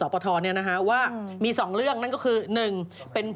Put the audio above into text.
พี่นุ่มน่ะไอ้พี่เลนส์พี่นุ่ม